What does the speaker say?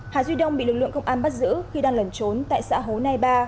hà duy đông bị lực lượng công an bắt giữ khi đang lẩn trốn tại xã hố nai ba